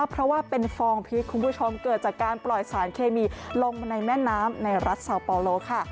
เพราะว่าเป็นฟองพิษคุณผู้ชมเกิดจากการปล่อยสารเคมีลงมาในแม่น้ำในรัฐซาวปอโลค่ะ